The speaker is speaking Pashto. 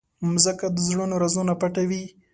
مځکه د زړونو رازونه پټوي.